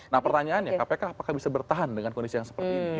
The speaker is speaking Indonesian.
nah pertanyaannya kpk apakah bisa bertahan dengan kondisi yang seperti ini